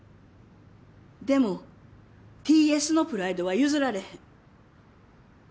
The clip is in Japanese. でもＴ・Ｓのプライドは譲られへん。